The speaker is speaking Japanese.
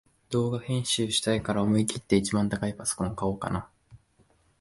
動画編集したいから思いきって一番高いパソコン買おうか